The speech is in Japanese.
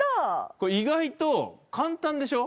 これ意外と簡単でしょ？